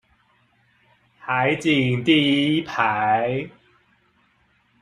海景第一排